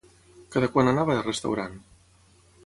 Cada quant anava de restaurant?